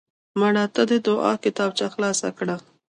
مړه ته د دعا کتابچه خلاص کړه